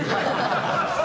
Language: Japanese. ハハハハ！